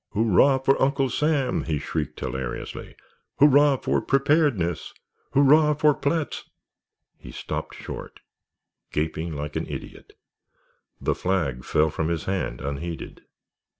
"Hurrah for Uncle Sam!" he shrieked, hilariously. "Hurrah for Preparedness! Hurrah for Platts——" He stopped short, gaping like an idiot. The flag fell from his hand unheeded.